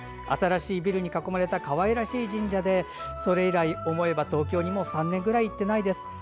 新しいビルに囲まれたかわいらしい神社でそれ以来、思えば東京にもう３年ぐらい行っていないです。